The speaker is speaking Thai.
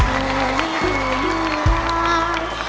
เธอไม่ดูอยู่หลัง